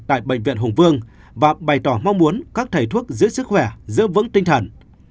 tại bệnh viện hùng vương và bày tỏ mong muốn các thầy thuốc giữ sức khỏe giữ vững tinh thần